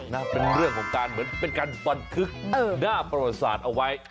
นะเป็นเรื่องของการเหมือนเป็นการบันทึกหน้าประวัติศาสตร์เอาไว้